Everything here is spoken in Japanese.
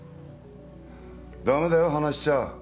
ダメだよ離しちゃ。